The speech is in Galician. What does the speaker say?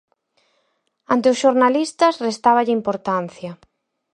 Ante os xornalistas, restáballe importancia.